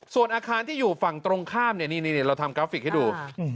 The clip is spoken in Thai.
ส่วนอาคารที่อยู่ฝั่งตรงข้ามเนี่ยนี่เราทำกราฟิกให้ดู